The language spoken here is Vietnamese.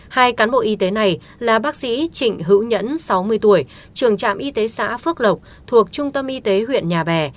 hai cán bộ y tế này là bác sĩ trịnh hữu nhẫn sáu mươi tuổi trường trạm y tế xã phước lộc thuộc trung tâm y tế huyện nhà bè